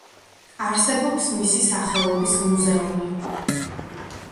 არსებობს მისი სახელობის მუზეუმი.